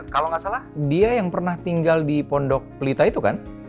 kalau nggak salah dia yang pernah tinggal di pondok pelita itu kan